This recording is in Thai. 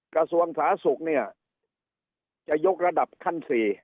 กระทรวงสาธารณสุขเนี่ยจะยกระดับขั้น๔